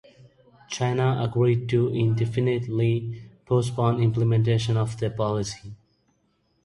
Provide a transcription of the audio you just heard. China agreed to indefinitely postpone implementation of the policy.